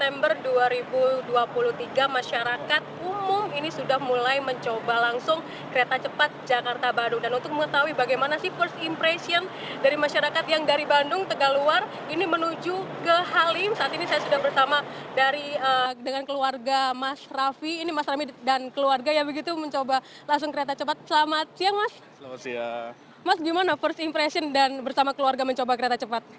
mas gimana first impression dan bersama keluarga mencoba kereta cepat